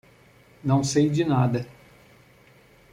Não sei de nada.